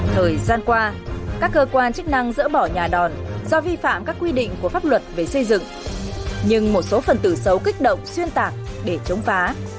thời gian qua các cơ quan chức năng dỡ bỏ nhà đòn do vi phạm các quy định của pháp luật về xây dựng nhưng một số phần từ xấu kích động xuyên tạc để chống phá